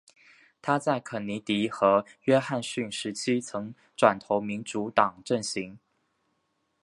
她在肯尼迪和约翰逊时期曾转投民主党阵型。